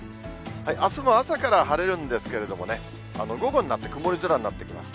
あすも朝から晴れるんですけれども、午後になって、曇り空になってきます。